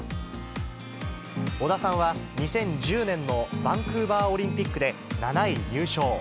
織田さんは、２０１０年のバンクーバーオリンピックで７位入賞。